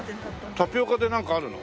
タピオカでなんかあるの？